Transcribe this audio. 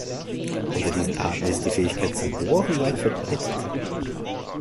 Unter diesen Arten ist die Fähigkeit zum Bohren weit verbreitet.